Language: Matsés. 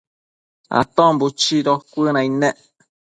Aton buchido cuënaid nec